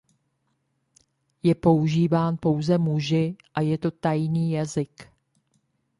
Je používán pouze muži a je to tajný jazyk.